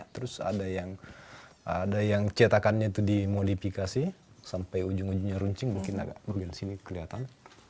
terus ada yang cetakannya itu dimodifikasi sampai ujung ujungnya runcing mungkin agak bagian sini kelihatan